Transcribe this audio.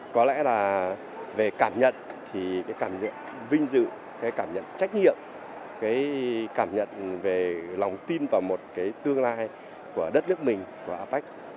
có lẽ là về cảm nhận cảm nhận vinh dự cảm nhận trách nhiệm cảm nhận về lòng tin vào một tương lai của đất nước mình của apec